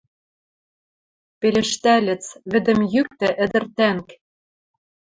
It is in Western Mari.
Пелештӓльӹц: «Вӹдӹм йӱктӹ, ӹдӹр тӓнг».